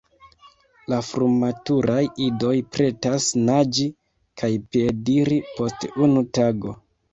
La frumaturaj idoj pretas naĝi kaj piediri post unu tago.